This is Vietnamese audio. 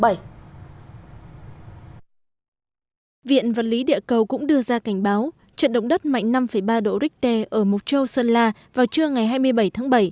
viện vật lý địa cầu cũng đưa ra cảnh báo trận động đất mạnh năm ba độ richter ở mộc châu sơn la vào trưa ngày hai mươi bảy tháng bảy